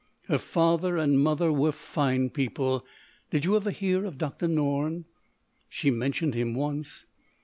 Her father and mother were fine people. Did you ever hear of Dr. Norne?" "She mentioned him once."